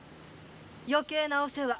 余計なお世話。